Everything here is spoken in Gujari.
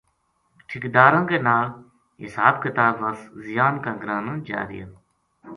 ٹھیکیداراں کے نال حساب کتاب وس زیان کا گراں نا جا رہیا